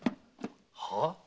はあ？